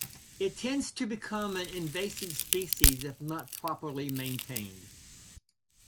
It tends to become an invasive species if not properly maintained.